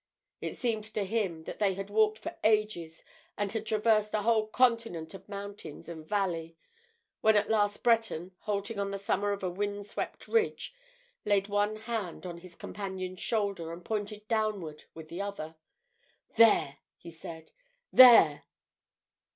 It seemed to him that they had walked for ages and had traversed a whole continent of mountains and valley when at last Breton, halting on the summit of a wind swept ridge, laid one hand on his companion's shoulder and pointed downward with the other. "There!" he said. "There!"